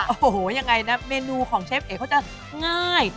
โอ้โหยังไงนะเมนูของเชฟเอกเขาจะง่าย